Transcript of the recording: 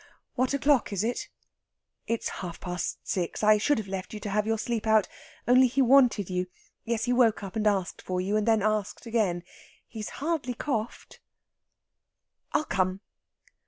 "What o'clock is it?" "It's half past six. I should have left you to have your sleep out, only he wanted you.... Yes, he woke up and asked for you, and then asked again. He's hardly coughed." "I'll come."